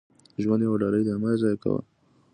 • ژوند یوه ډالۍ ده، مه یې ضایع کوه.